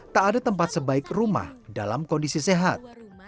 tak ada tempat sebaik rumah dalam kondisi sehat